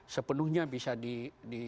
sepenuhnya bisa di